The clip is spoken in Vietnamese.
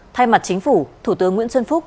thay mặt chính phủ thủ tướng nguyễn xuân phúc